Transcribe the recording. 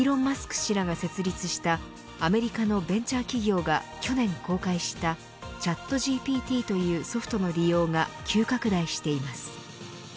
氏らが設立したアメリカのベンチャー企業が去年公開したＣｈａｔＧＰＴというソフトの利用が急拡大しています。